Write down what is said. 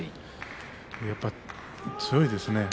やっぱ強いですね。